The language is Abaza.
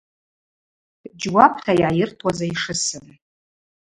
Джьуапта йгӏайыртуаз айшысын.